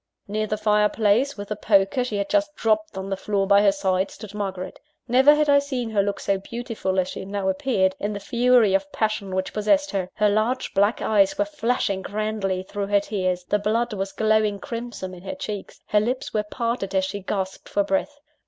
Near the fire place, with the poker she had just dropped on the floor by her side, stood Margaret. Never had I seen her look so beautiful as she now appeared, in the fury of passion which possessed her. Her large black eyes were flashing grandly through her tears the blood was glowing crimson in her cheeks her lips were parted as she gasped for breath.